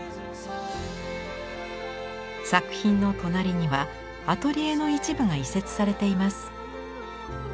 作品の隣にはアトリエの一部が移設されています。